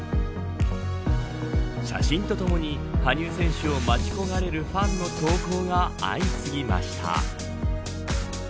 写真とともに羽生選手を待ち焦がれるファンの投稿が相次ぎました。